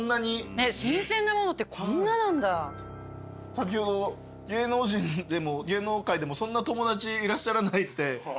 先ほど芸能人でも芸能界でもそんな友達いらっしゃらないっておっしゃってましたけど。